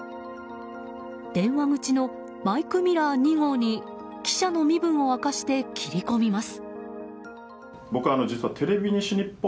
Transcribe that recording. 電話口のマイク・ミラー２号に記者の身分を明かして切り込みます。